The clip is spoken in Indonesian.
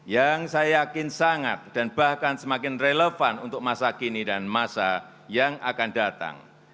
yang saya yakin sangat dan bahkan semakin relevan untuk masa kini dan masa yang akan datang